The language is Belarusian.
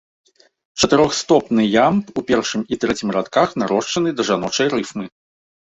Чатырохстопны ямб у першым і трэцім радках нарошчаны да жаночай рыфмы.